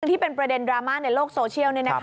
ที่เป็นประเด็นดราม่าในโลกโซเชียล